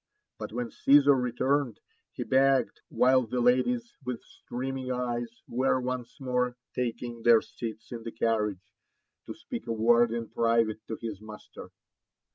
But when Caesar returned, he begged, while the ladies with streaming eyes were once more taking their seats in the carriage, to speak a word in private to his master.